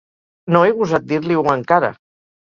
No he gosat dir-li-ho encara.